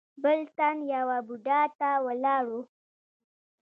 بل تن يوه بوډا ته ولاړ و.